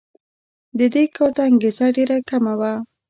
د دې کار ته انګېزه ډېره کمه وه.